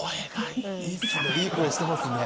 いい声してますね。